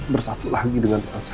bersatu lagi dengan elsa